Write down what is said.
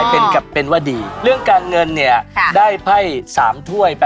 และกดปุ่มอีเจกตัวเองออกเข้าสู่โหมดอวกาศ